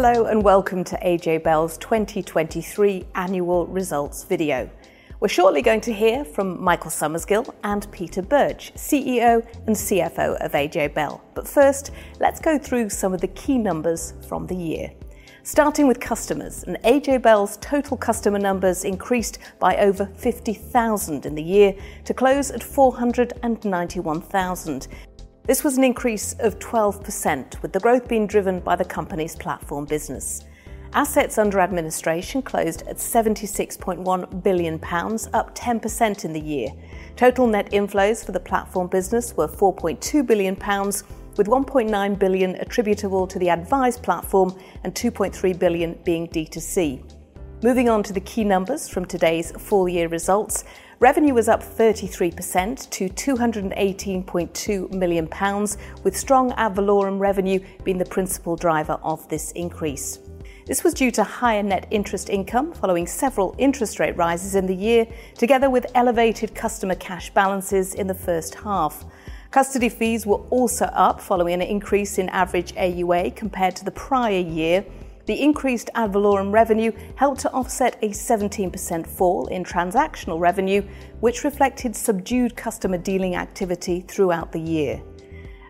Hello, and welcome to AJ Bell's 2023 annual results video. We're shortly going to hear from Michael Summersgill and Peter Birch, CEO and CFO of AJ Bell. But first, let's go through some of the key numbers from the year. Starting with customers, AJ Bell's total customer numbers increased by over 50,000 in the year to close at 491,000. This was an increase of 12%, with the growth being driven by the company's platform business. Assets under administration closed at 76.1 billion pounds, up 10% in the year. Total net inflows for the platform business were 4.2 billion pounds, with 1.9 billion attributable to the advised platform and 2.3 billion being D2C. Moving on to the key numbers from today's full year results, revenue was up 33% to 218.2 million pounds, with strong ad valorem revenue being the principal driver of this increase. This was due to higher net interest income, following several interest rate rises in the year, together with elevated customer cash balances in the first half. Custody fees were also up, following an increase in average AUA compared to the prior year. The increased ad valorem revenue helped to offset a 17% fall in transactional revenue, which reflected subdued customer dealing activity throughout the year.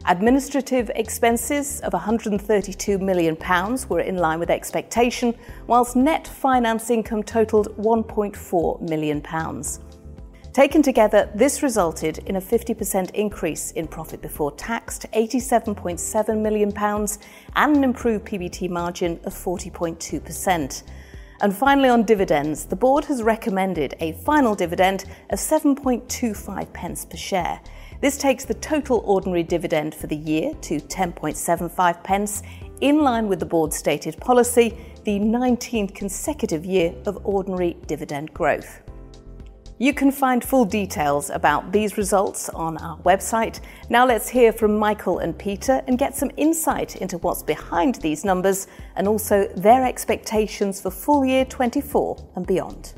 Administrative expenses of 132 million pounds were in line with expectation, whilst net finance income totaled 1.4 million pounds. Taken together, this resulted in a 50% increase in profit before tax to 87.7 million pounds, and an improved PBT margin of 40.2%. Finally, on dividends, the board has recommended a final dividend of 7.25 pence per share. This takes the total ordinary dividend for the year to 10.75 pence, in line with the board's stated policy, the 19th consecutive year of ordinary dividend growth. You can find full details about these results on our website. Now, let's hear from Michael and Peter and get some insight into what's behind these numbers, and also their expectations for full year 2024 and beyond.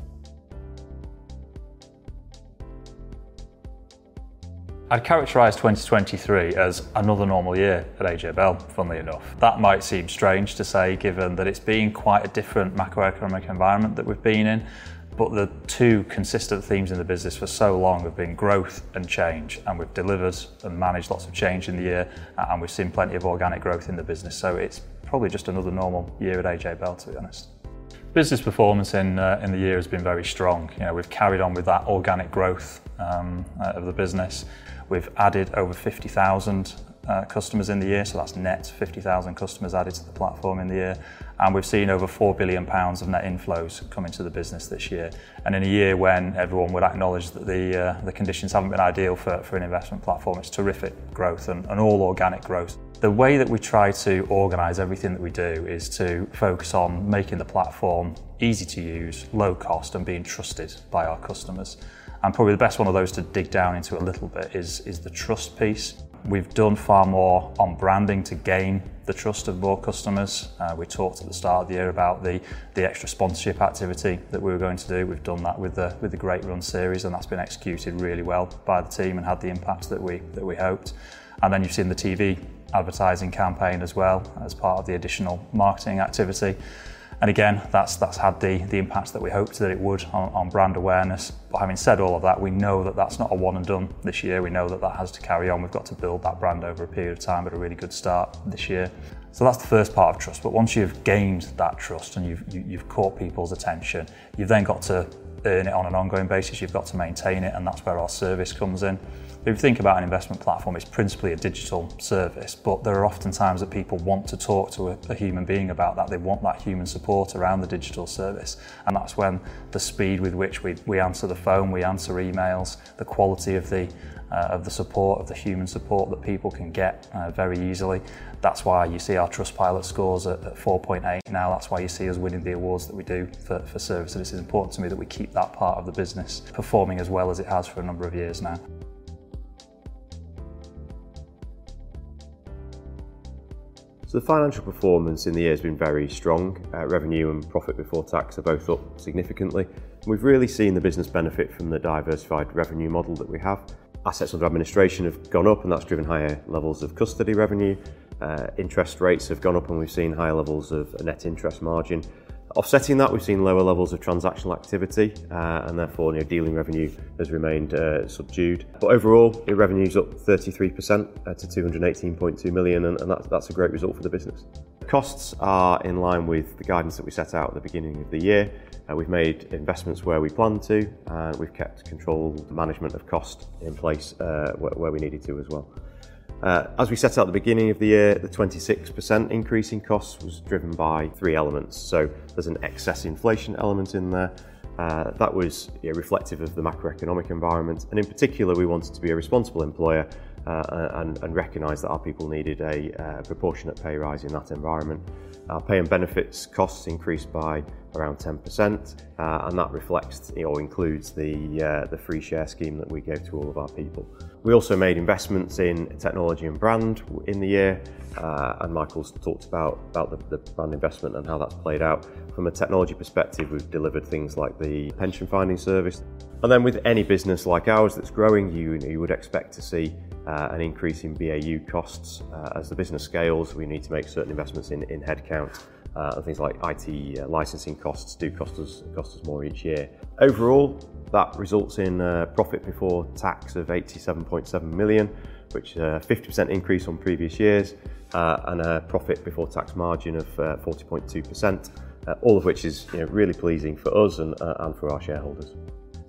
I'd characterize 2023 as another normal year at AJ Bell, funnily enough. That might seem strange to say, given that it's been quite a different macroeconomic environment that we've been in, but the two consistent themes in the business for so long have been growth and change, and we've delivered and managed lots of change in the year, and we've seen plenty of organic growth in the business. So it's probably just another normal year at AJ Bell, to be honest. Business performance in, in the year has been very strong. You know, we've carried on with that organic growth of the business. We've added over 50,000 customers in the year, so that's net 50,000 customers added to the platform in the year, and we've seen over 4 billion pounds of net inflows come into the business this year. And in a year when everyone would acknowledge that the conditions haven't been ideal for an investment platform, it's terrific growth and all organic growth. The way that we try to organize everything that we do is to focus on making the platform easy to use, low cost, and being trusted by our customers. And probably the best one of those to dig down into a little bit is the trust piece. We've done far more on branding to gain the trust of more customers. We talked at the start of the year about the extra sponsorship activity that we were going to do. We've done that with the Great Run Series, and that's been executed really well by the team and had the impact that we hoped. And then you've seen the TV advertising campaign as well, as part of the additional marketing activity. And again, that's had the impact that we hoped that it would on brand awareness. But having said all of that, we know that that's not a one and done this year. We know that that has to carry on. We've got to build that brand over a period of time, but a really good start this year. So that's the first part of trust. But once you've gained that trust and you've caught people's attention, you've then got to earn it on an ongoing basis. You've got to maintain it, and that's where our service comes in. If you think about an investment platform, it's principally a digital service, but there are often times that people want to talk to a human being about that. They want that human support around the digital service, and that's when the speed with which we, we answer the phone, we answer emails, the quality of the support, of the human support that people can get, very easily. That's why you see our Trustpilot scores at 4.8 now. That's why you see us winning the awards that we do for service. So this is important to me, that we keep that part of the business performing as well as it has for a number of years now. So the financial performance in the year has been very strong. Revenue and Profit Before Tax are both up significantly. We've really seen the business benefit from the diversified revenue model that we have. Assets under administration have gone up, and that's driven higher levels of custody revenue. Interest rates have gone up, and we've seen higher levels of net interest margin. Offsetting that, we've seen lower levels of transactional activity, and therefore, you know, dealing revenue has remained subdued. But overall, the revenue is up 33% to 218.2 million, and that's a great result for the business. Costs are in line with the guidance that we set out at the beginning of the year. We've made investments where we planned to, and we've kept control management of cost in place, where we needed to as well. As we set out at the beginning of the year, the 26% increase in costs was driven by three elements. So there's an excess inflation element in there, that was, you know, reflective of the macroeconomic environment, and in particular, we wanted to be a responsible employer, and recognized that our people needed a proportionate pay rise in that environment. Our pay and benefits costs increased by around 10%, and that reflects, you know, includes the free share scheme that we gave to all of our people. We also made investments in technology and brand in the year, and Michael's talked about the brand investment and how that's played out. From a technology perspective, we've delivered things like the pension finding service. And then with any business like ours that's growing, you would expect to see an increase in BAU costs. As the business scales, we need to make certain investments in headcount and things like IT, licensing costs do cost us, cost us more each year. Overall, that results in a profit before tax of 87.7 million, which a 50% increase on previous years, and a profit before tax margin of 40.2%, all of which is, you know, really pleasing for us and for our shareholders....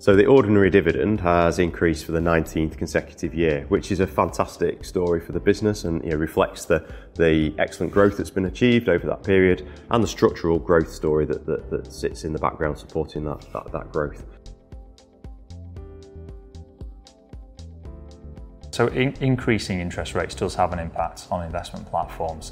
So the ordinary dividend has increased for the 19th consecutive year, which is a fantastic story for the business, and, you know, reflects the excellent growth that's been achieved over that period, and the structural growth story that sits in the background supporting that growth. So increasing interest rates does have an impact on investment platforms.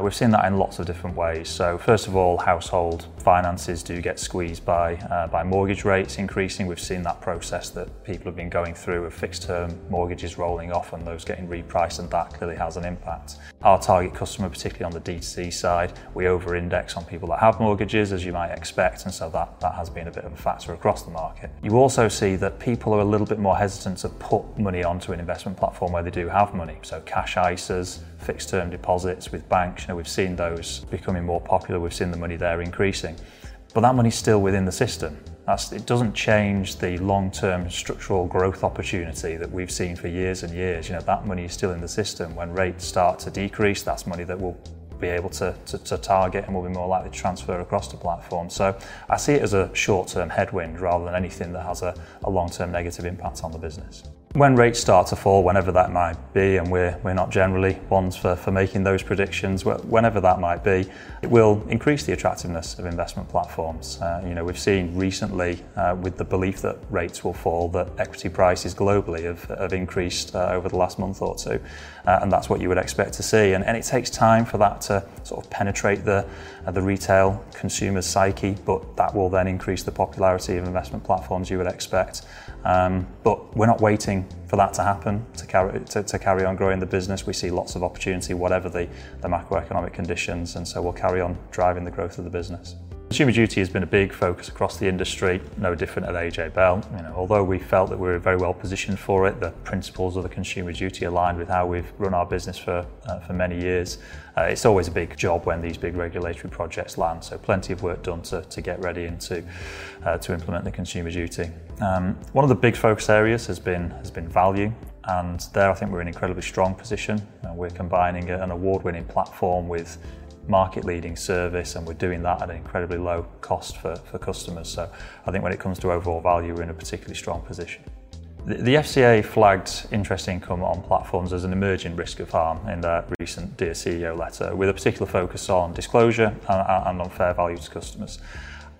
We've seen that in lots of different ways. So first of all, household finances do get squeezed by mortgage rates increasing. We've seen that process that people have been going through with fixed-term mortgages rolling off and those getting repriced, and that clearly has an impact. Our target customer, particularly on the DTC side, we over-index on people that have mortgages, as you might expect, and so that has been a bit of a factor across the market. You also see that people are a little bit more hesitant to put money onto an investment platform where they do have money. So Cash ISAs, fixed-term deposits with banks, you know, we've seen those becoming more popular. We've seen the money there increasing. But that money's still within the system. That doesn't change the long-term structural growth opportunity that we've seen for years and years. You know, that money is still in the system. When rates start to decrease, that's money that we'll be able to target and will be more likely to transfer across the platform. So I see it as a short-term headwind, rather than anything that has a long-term negative impact on the business. When rates start to fall, whenever that might be, and we're not generally ones for making those predictions, whenever that might be, it will increase the attractiveness of investment platforms. You know, we've seen recently with the belief that rates will fall, that equity prices globally have increased over the last month or two, and that's what you would expect to see. And it takes time for that to sort of penetrate the retail consumer's psyche, but that will then increase the popularity of investment platforms, you would expect. But we're not waiting for that to happen to carry on growing the business. We see lots of opportunity, whatever the macroeconomic conditions, and so we'll carry on driving the growth of the business. Consumer Duty has been a big focus across the industry, no different at AJ Bell. You know, although we felt that we were very well-positioned for it, the principles of the Consumer Duty aligned with how we've run our business for many years, it's always a big job when these big regulatory projects land, so plenty of work done to get ready and to implement the Consumer Duty. One of the big focus areas has been value, and there I think we're in an incredibly strong position, and we're combining an award-winning platform with market-leading service, and we're doing that at an incredibly low cost for customers. So I think when it comes to overall value, we're in a particularly strong position. The FCA flagged interest income on platforms as an emerging risk of harm in their recent Dear CEO letter, with a particular focus on disclosure and on fair value to customers.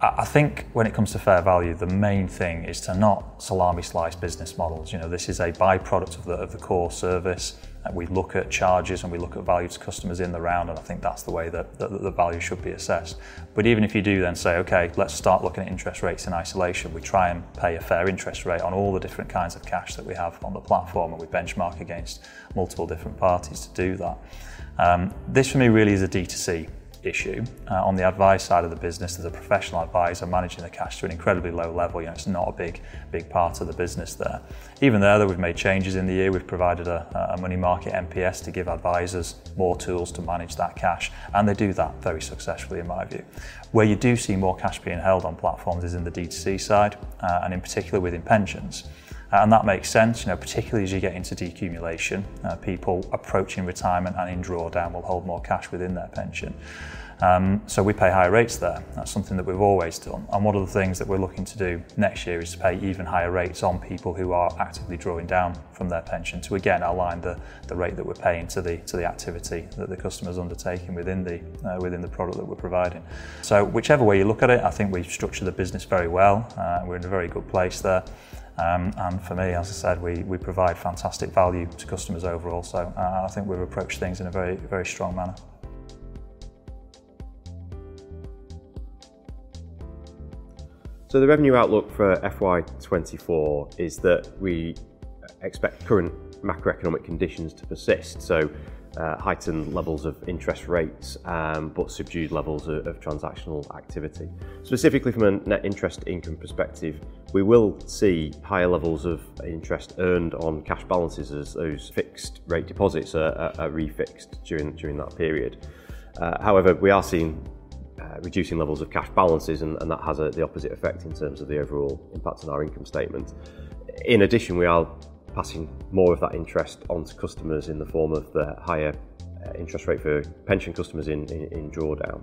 I think when it comes to fair value, the main thing is to not salami slice business models. You know, this is a by-product of the core service, and we look at charges, and we look at value to customers in the round, and I think that's the way that the value should be assessed. But even if you do then say, "Okay, let's start looking at interest rates in isolation," we try and pay a fair interest rate on all the different kinds of cash that we have on the platform, and we benchmark against multiple different parties to do that. This for me really is a D2C issue. On the advice side of the business, there's a professional advisor managing the cash to an incredibly low level. You know, it's not a big, big part of the business there. Even there, though, we've made changes in the year. We've provided a Money Market MPS to give advisors more tools to manage that cash, and they do that very successfully, in my view. Where you do see more cash being held on platforms is in the D2C side, and in particular within pensions, and that makes sense, you know, particularly as you get into decumulation. People approaching retirement and in drawdown will hold more cash within their pension. So we pay higher rates there. That's something that we've always done, and one of the things that we're looking to do next year is to pay even higher rates on people who are actively drawing down from their pension to, again, align the rate that we're paying to the activity that the customer's undertaking within the product that we're providing. So whichever way you look at it, I think we've structured the business very well. We're in a very good place there, and for me, as I said, we provide fantastic value to customers overall. So, I think we've approached things in a very, very strong manner. So the revenue outlook for FY 2024 is that we expect current macroeconomic conditions to persist, so heightened levels of interest rates, but subdued levels of transactional activity. Specifically from a net interest income perspective, we will see higher levels of interest earned on cash balances as those fixed rate deposits are refixed during that period. However, we are seeing reducing levels of cash balances, and that has the opposite effect in terms of the overall impact on our income statement. In addition, we are passing more of that interest on to customers in the form of the higher interest rate for pension customers in drawdown.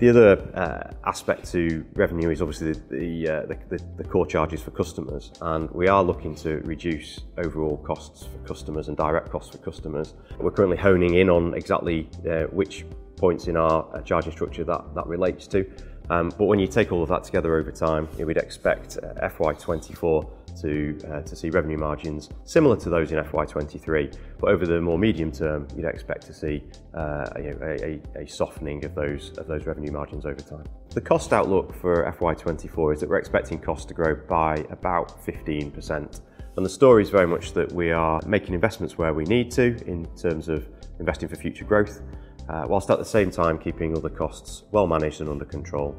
The other aspect to revenue is obviously the core charges for customers, and we are looking to reduce overall costs for customers and direct costs for customers. We're currently honing in on exactly which points in our charging structure that relates to. But when you take all of that together over time, we'd expect FY2024 to see revenue margins similar to those in FY2023. But over the more medium term, you'd expect to see, you know, a softening of those revenue margins over time. The cost outlook for FY2024 is that we're expecting costs to grow by about 15%, and the story is very much that we are making investments where we need to in terms of investing for future growth, whilst at the same time keeping other costs well managed and under control.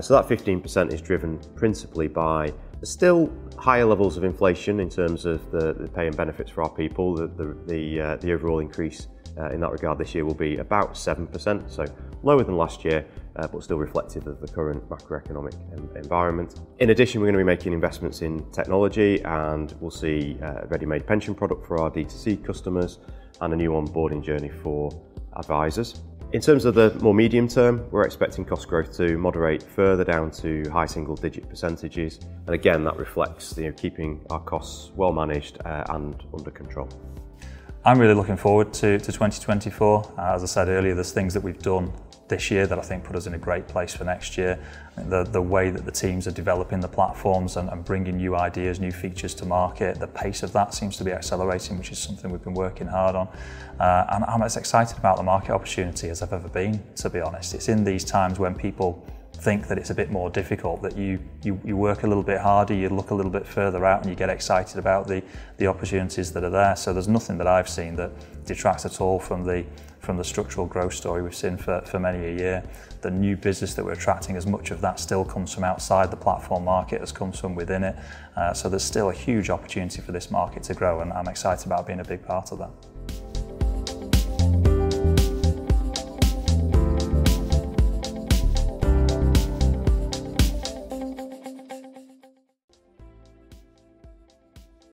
So that 15% is driven principally by still higher levels of inflation in terms of the pay and benefits for our people. The overall increase in that regard this year will be about 7%, so lower than last year, but still reflective of the current macroeconomic environment. In addition, we're gonna be making investments in technology, and we'll see a ready-made pension product for our D2C customers and a new onboarding journey for advisors. In terms of the more medium term, we're expecting cost growth to moderate further down to high single-digit percentages, and again, that reflects, you know, keeping our costs well managed and under control. I'm really looking forward to 2024. As I said earlier, there's things that we've done this year that I think put us in a great place for next year. The way that the teams are developing the platforms and bringing new ideas, new features to market, the pace of that seems to be accelerating, which is something we've been working hard on. And I'm as excited about the market opportunity as I've ever been, to be honest. It's in these times when people think that it's a bit more difficult, that you work a little bit harder, you look a little bit further out, and you get excited about the opportunities that are there. So there's nothing that I've seen that detracts at all from the structural growth story we've seen for many a year. The new business that we're attracting, as much of that still comes from outside the platform market as comes from within it, so there's still a huge opportunity for this market to grow, and I'm excited about being a big part of that.